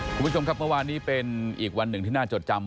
คุณผู้ชมครับเมื่อวานนี้เป็นอีกวันหนึ่งที่น่าจดจำ